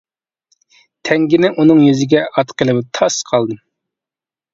تەڭگىنى ئۇنىڭ يۈزىگە ئاتقىلى تاس قالدىم.